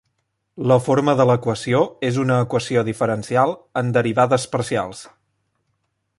La forma de l'equació és una equació diferencial en derivades parcials.